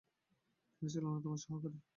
তিনি ছিলেন অন্যতম সহকারী।